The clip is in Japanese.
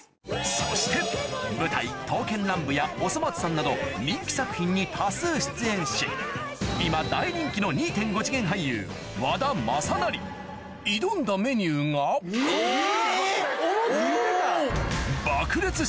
そして舞台『刀剣乱舞』や『おそ松さん』など人気作品に多数出演し今大人気の挑んだメニューが・えぇ！